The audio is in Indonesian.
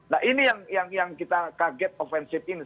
nah ini yang kita kaget ofensif ini